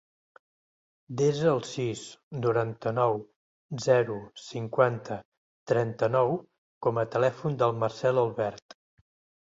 Desa el sis, noranta-nou, zero, cinquanta, trenta-nou com a telèfon del Marcèl Albert.